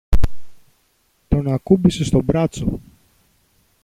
τον ακούμπησε στο μπράτσο